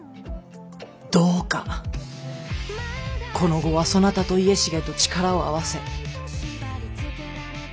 どうかこの後はそなたと家重と力を合わせ。